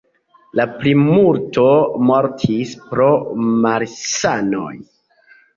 La plimulto mortis pro malsanoj.